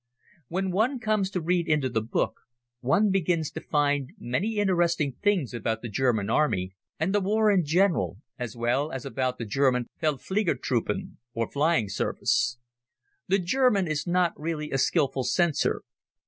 When one comes to read into the book one begins to find many interesting things about the German Army, and the war in general, as well as about the German Feldfliegertruppen or Flying Service. The German is not really a skilful censor.